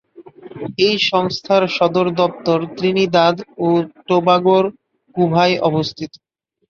এই সংস্থার সদর দপ্তর ত্রিনিদাদ ও টোবাগোর কুভায় অবস্থিত।